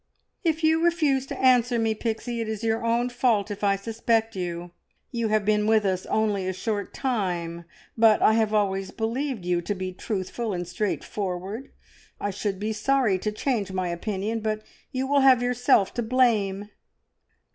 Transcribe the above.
"If you refuse to answer me, Pixie, it is your own fault if I suspect you. You have been with us only a short time, but I have always believed you to be truthful and straightforward. I should be sorry to change my opinion, but you will have yourself to blame!"